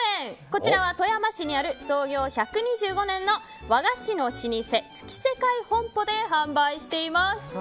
こちらは富山市にある創業１２５年の和菓子の老舗、月世界本舗で販売しています。